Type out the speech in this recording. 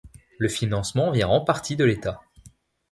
Le financement vient en partie de l'État.